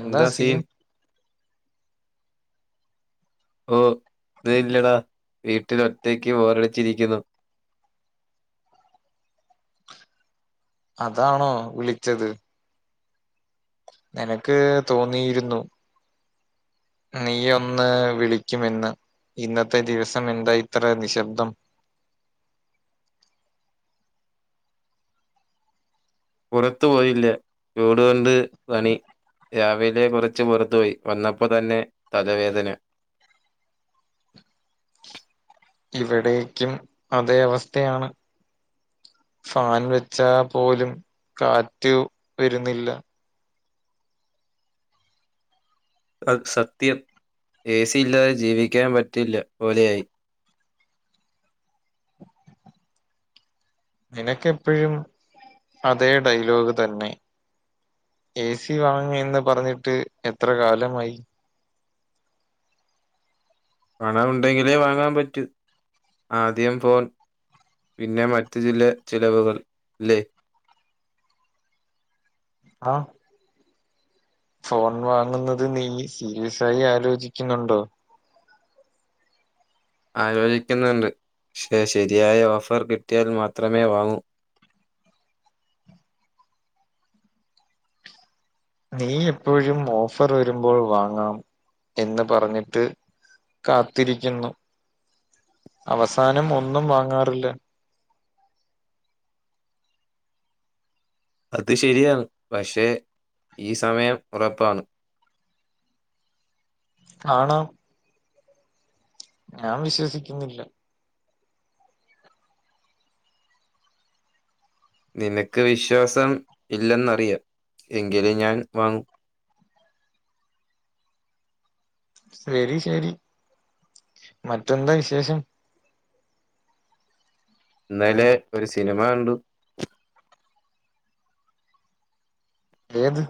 എന്താ സീൻ ഓഹ് ഒന്നും ഇല്ലടാ വീട്ടിൽ ഒറ്റക്ക് ബോറടിച്ചിരിക്കുന്നു. അതാണോ വിളിച്ചത് എനക്ക് തോന്നിയിരുന്നു. നീ ഒന്ന് വിളിക്കുമെന്ന് ഇന്നത്തെ ദിവസം എന്താ ഇത്ര നിശബ്ദം പുറത്തു പോയില്ല ചൂട്കൊണ്ട് പണി രാവിലെ കൊറച്ച് പുറത്തു പോയി വന്നപ്പോ തന്നെ തലവേദന ഇവിടേക്കും അതേ അവസ്ഥയാണ് ഫാൻ വെച്ചാ പോലും കാറ്റ് വരുന്നില്ല അത് സത്യം ഏ സി ഇല്ലാതെ ജീവിക്കാൻ പറ്റില്ല പോലെയായി നിനക്കെപ്പോഴും അതേ ഡലോഗ് തന്നെ എ സി വാങ്ങീന്ന് പറഞ്ഞിട്ട് എത്ര കാലമായി പണം ഉണ്ടെങ്കിലേ വാങ്ങാൻ പറ്റൂ ആദ്യം ഫോൺ പിന്നെ മറ്റ് ചില ചിലവുകൾ അല്ലേ ആഹ് ഫോൺ വാങ്ങുന്നത് നീ സീരിയസായി ആലോചിക്കുന്നുണ്ടോ? ആലോചിക്കുന്നുണ്ട് പക്ഷേ ശരിയായ ഓഫർ കിട്ടിയാൽ മാത്രമേ വാങ്ങൂ. നീ എപ്പോഴും ഓഫർ വരുമ്പോൾ വാങ്ങാം എന്ന് പറഞ്ഞിട്ട്. കാത്തിരിക്കുന്നു അവസാനം ഒന്നും വാങ്ങാറില്ല അത് ശരിയാണ് പക്ഷെ ഈ സമയം ഉറപ്പാണ് ആണോ ഞാൻ വിശ്വസിക്കുന്നില്ല. നിനക്ക് വിശ്വാസം ഇല്ലെന്നറിയാം എങ്കിലും ഞാൻ വാങ്ങും ശെരി ശെരി മറ്റെന്താ വിശേഷം. ഇന്നലെ ഒരു സിനിമ കണ്ടു ഏത്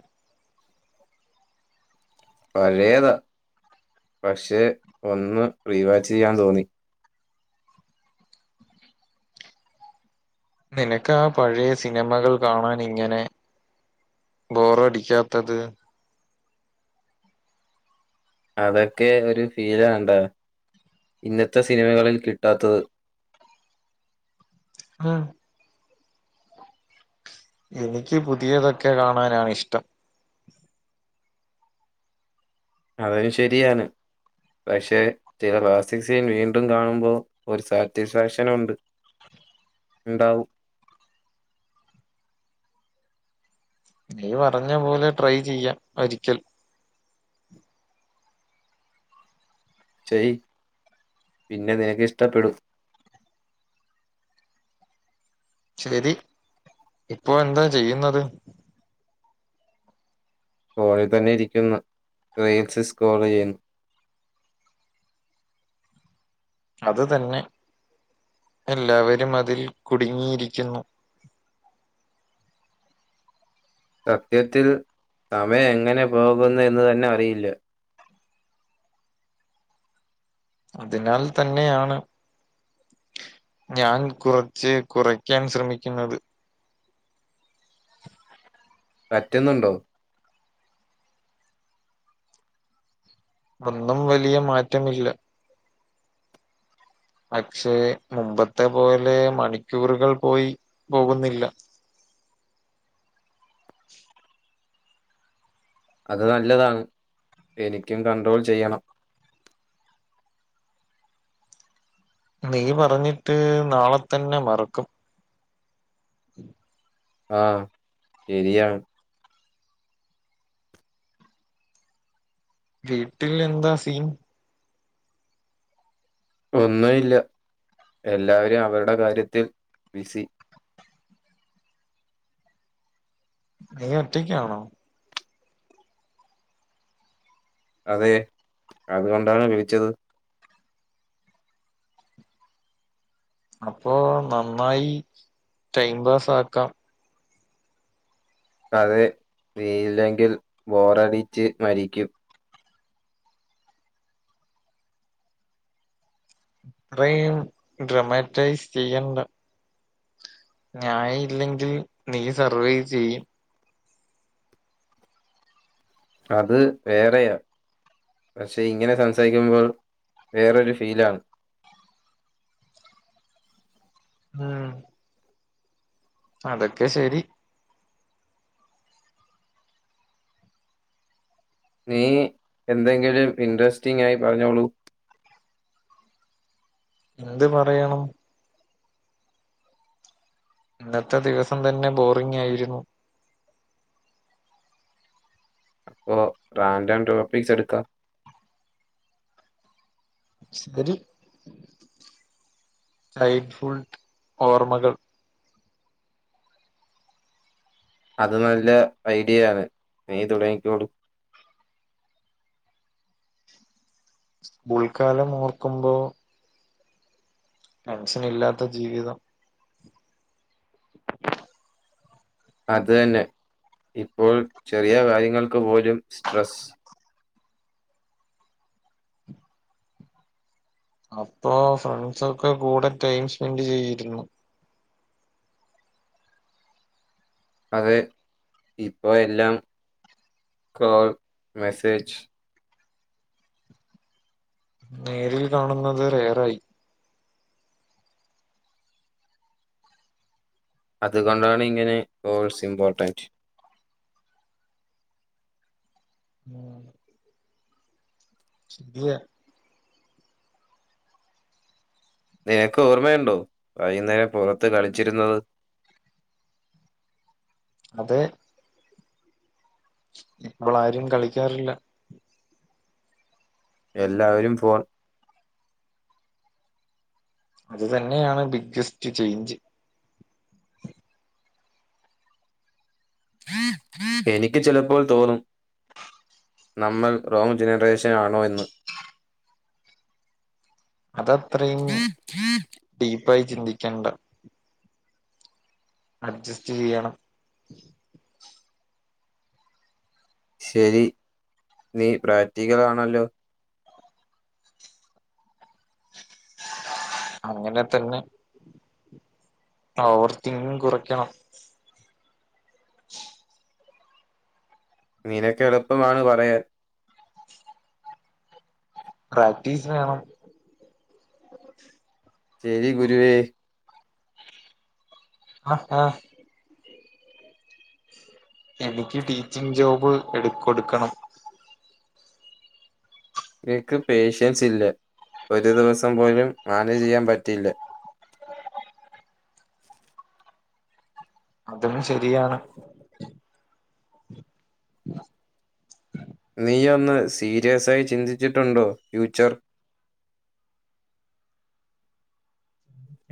പഴയതാ പക്ഷെ ഒന്ന് റീവാച്ച് ചെയ്യാൻ തോന്നി നിനക്കാ പഴയ സിനിമകൾ കാണാൻ ഇങ്ങനെ ബോറടിക്കാത്തത്. അതൊക്കെ ഒരു ഫീലാണ്ട ഇന്നത്തെ സിനിമകളിൽ കിട്ടാത്തത് ആഹ് എനിക്ക് പുതിയതൊക്കെ കാണാനാണ് ഇഷ്ടം. അതും ശരിയാണ് പക്ഷെ ചില ക്ലാസ്സിക് സീൻ വീണ്ടും കാണുമ്പോ ഒരു സാറ്റിസ്ഫാക്ഷൻ ഉണ്ട് ഇണ്ടാവും നീ പറഞ്ഞ പോലെ ട്രൈ ചെയ്യാം ഒരിക്കൽ ചയ് പിന്നെ നിനക്ക് ഇഷ്ടപ്പെടും ശരി ഇപ്പോ എന്താ ചെയ്യുന്നത് കോളജ് തന്നെ ഇരിക്കുന്നു. റീയിൽസ് സ്കോറെയ്യുന്നു അത് തന്നെ എല്ലാവരും അതിൽ കുടുങ്ങിയിരിക്കുന്നു. സത്യത്തിൽ സമയം എങ്ങനെ പോകുന്നുഎന്ന് തന്നെ അറിയില്ല. അതിനാൽ തന്നെയാണ് ഞാൻ കുർച്ച് കുറയ്ക്കാൻ ശ്രമിക്കുന്നത്. പറ്റുന്നുണ്ടോ? ഒന്നും വലിയമാറ്റമില്ല. പക്ഷെ മുമ്പത്തെപോലെ മണിക്കൂറുകൾപോയി പോകുന്നില്ല. അത് നല്ലതാണ് എനിക്കും കണ്ട്രോൾ ചെയ്യണം. നീ പറഞ്ഞിട്ട് നാളെത്തന്നെ മറക്കും. [inaudible] ആഹ് ശെരിയാണ്. വീട്ടിലെന്താ സീൻ? ഒന്നുഇല്ല എല്ലാവരും അവരുടെ കാര്യത്തിൽ ബിസി ന്നീ ഒറ്റയ്ക്കാണോ? അതെ അതുകൊണ്ടാണ് വിളിച്ചത്. അപ്പോനന്നായി ടൈം പാസ് ആക്കാം. അത് നീല്ലെങ്കിൽ ബോറടിച്ച് മരിക്കും. ഇത്രയും ഡ്രമാറ്റൈസ് ചെയ്യണ്ട. ഞാൻ ഇല്ലെങ്കിൽ നീ സർവേവ് ചെയ്യും. അത് വേറെയ പക്ഷെ ഇങ്ങനെ സംസാരിക്കുമ്പോൾ വേറൊരു ഫീലാണ്. ഉം അതൊക്കെ ശെരി. നീ എന്തെങ്കിലും ഇൻഡ്രേസ്റ്റിംങ്ങായി പറഞ്ഞോളൂ. എന്ത് പറയണം? ഇന്നെത്തെ ദിവസംതന്നെ ബോറിംങ്ങ് ആയിരുന്നു. അപ്പൊ റാന്റെം ടോപ്പിക്സ്എടുക്കാ. ശെരി ചൈൽഡ്ഫുൾ ഓർമ്മകൾ അത് നല്ലെ ഐഡിയാണ് നീ തുടങ്ങിക്കോളൂ. സ്കൂൾക്കാലം ഓർക്കുമ്പോ ടെൻഷനിഇല്ലാത്ത ജീവിതം അത് തെന്നെ ഇപ്പോൾ ചെറിയ കാര്യങ്ങൾക്ക് പോലും സ്ട്രെസ് അപ്പോ ഫ്രണ്ട്സൊക്കെ കൂടെ ടൈം സ്പെൻഡ് ചെയ്തിരുന്നു. അത് ഇപ്പോ എല്ലാം കോൾ, മെസ്സേജ് നേരിൽ കാണുന്നത് റേയ്റായി. അതുകൊണ്ടാണ് ഇങ്ങനെ കോൾസ് ഇമ്പോർട്ടന്റ്. [inaudible] [unintelligible] നിനക്ക് ഓർമ്മയുണ്ടോ വൈകുന്നേരം പുറത്ത്കളിച്ചിരുന്നത്? അതെ ഇപ്പോളാരും കളിക്കാറില്ല. എല്ലാവെരും ഫോൺ അത് തന്നെയാണ് ബിഗ്ഗെസ്റ്റ് ചേയ്ഞ്ച്. എനിക്ക് ചിലപ്പോൾ തോന്നും. നമ്മൾ റോങ് ജെനെറേഷൻ ആണോ എന്ന്. അതത്രീം ഡീപ്പായി ചിന്തിക്കേണ്ട. അഡ്ജസ്റ്റ്യ്യ ണം. ശെരി നീ പ്രാക്ടിക്കൽആണല്ലോ അങ്ങനെതെന്നെ പവർ തിങ് കുറക്കണം. [inaudible] നിനക്ക് എളുപ്പമാണ് പറയാൻ പ്രാക്ടീസ് വേണം ശരി ഗുരുവേ ഹാ ഹാ എനിക്ക് ടീച്ചിങ് ജോബ് എടുകോടുക്കണം നിക്ക് പേഷ്യൻസ് ഇല്ലേഒരു ദിവസം പോലും മാനേജ് ചെയ്യാൻ പറ്റിയില്ലേ അതും ശരിയാണ് നീ ഒന്ന് സീരിയസായി ചിന്തിച്ചിട്ടുണ്ടോ ഫ്യൂച്ചർ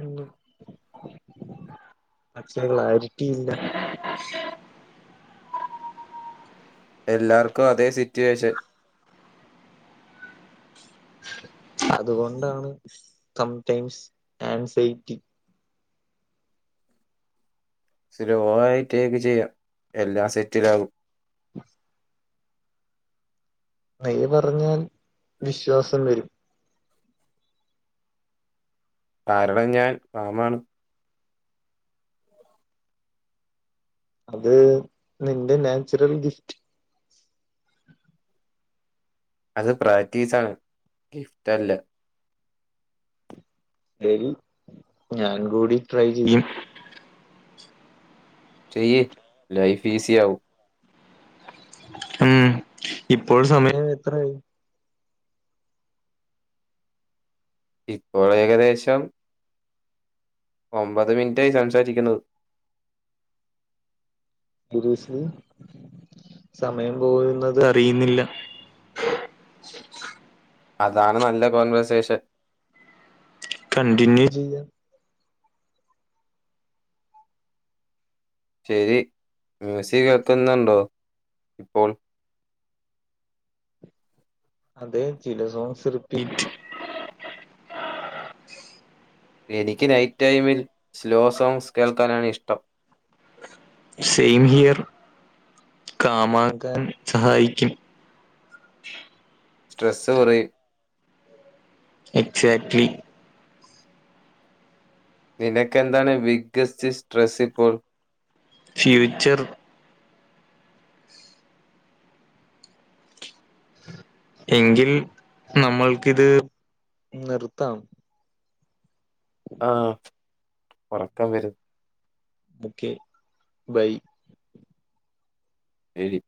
എന്നും പക്ഷേ ക്ലാരിറ്റി ഇല്ല എല്ലാർക്കും അതേ സിറ്റുവേഷൻ അതുകൊണ്ടാണ് തം ടൈംസ് ഏ ൻ സേഫ്‌റ്റി സ്ലോ ആയി ട്ടേക്ക് ചെയ്യാം എല്ലാ സെറ്റിലാവും നീ പറഞ്ഞാൽ വിശ്വാസം വരും കാരണം ഞാൻ പാമാമാണ് അത് നിന്റെ നാച്ചുറൽ ഗിഫ്റ്റ് അത് പ്രാക്ടീസ് ആണ് ഗിഫ്റ്റ്ല്ല ദേവീ ഞാനും കൂടി ട്രൈ ചെയ്യും ചെയ്യ് ലൈഫ് ഈസി ആവും ഉം ഇപ്പോൾ സമയം എത്രയി ഇപ്പോൾ ഏകദേശം ഒമ്പത് മിനിറ്റായി സംസാരിക്കുന്നത് [unintelligible] സമയം പോവൂന്നത് അറിയുന്നില്ല അതാണ് നല്ല കോൺവർസേഷൻ കണ്ടിന്യൂ ചെയ്യ ശരി മ്യൂസിക് കേക്ക്ന്നുണ്ടോ ഇപ്പോൾ അതെ ചില സോങ്സ് റീപ്പിറ്റ് എനിക്ക് നൈറ്റ് ടൈമിൽ സ്ലോ സോങ്സ് കേൾക്കാനാണ് ഇഷ്ടം സെയിം ഹിയർ കാമാകാൻ സഹായിക്കും സ്ട്രെസ്സ് കുറയും എക്സാക്ട്ലി നിനക്കന്താണ് ബിഗ്ഗസ്റ്റ് സ്ട്രെസ്സ് ഇപ്പോൾ ഫ്യൂച്ചർ എങ്കിൽ നമ്മൾക്കിത് നിർത്താം ആഹ് ഉറക്കാവരും ഒക്കെ ബൈ ശെരി